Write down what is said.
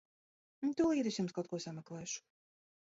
Tūlīt es jums kaut ko sameklēšu.